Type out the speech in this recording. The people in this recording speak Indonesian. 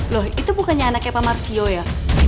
loh itu bukannya anaknya pak marsio ya